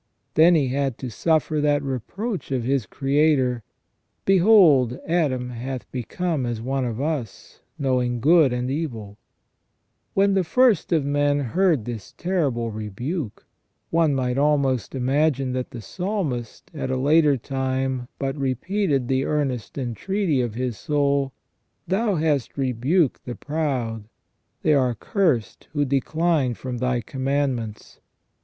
Then he had to suffer that reproach of his Creator :" Behold, Adam hath become as one of us, knowing good and evil ". When the first of men heard this terrible rebuke, one might almost imagine that the Psalmist at a later time but repeated the earnest entreaty of his soul :" Thou hast rebuked the proud : they are cursed who decline from Thy commandments.